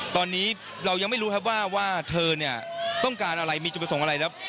ตอนนี้เรายังไม่รู้ครับว่าเธอเนี่ยต้องการอะไรมีจุดประสงค์อะไรแล้ว